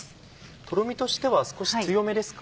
とろみとしては少し強めですか？